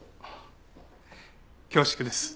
恐縮です。